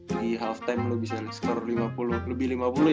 di halftime lu bisa score lima puluh lebih lima puluh ya tuh